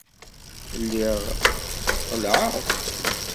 Lliɣ qellɛeɣ.